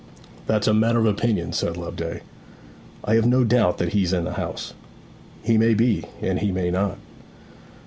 'That's a matter of opinion,' said Loveday. 'I have no doubt that he's in the house.' 'He may be; and he may not.'